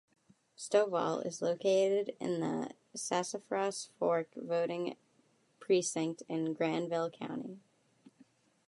Stovall is located in the Sassafras Fork voting precinct in Granville County.